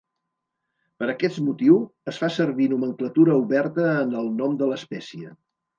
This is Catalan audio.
Per aquest motiu, es fa servir nomenclatura oberta en el nom de l'espècie.